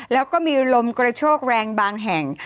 แล้วก็มีลมกระโชกแรงบางแห่ง